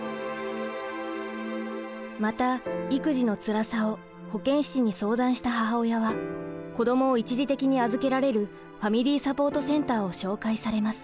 また育児のつらさを保健師に相談した母親は子どもを一時的に預けられるファミリーサポートセンターを紹介されます。